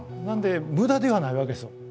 なので無駄ではないわけですよ。